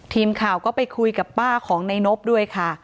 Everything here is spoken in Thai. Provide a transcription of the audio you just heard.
ทีมข่าวก็ไปคุยกับป้าของในนบด้วยค่ะ